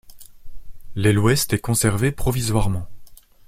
L'aile ouest est conservée provisoirement.